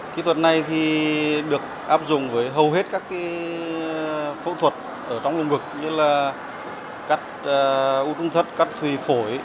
kỹ thuật này thì được áp dụng với hầu hết các phẫu thuật ở trong lồng ngực như là cắt u trung thất cắt thủy phổi